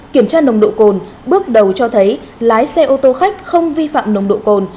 kiểm tra nồng độ cồn bước đầu cho thấy lái xe ô tô khách không vi phạm nồng độ cồn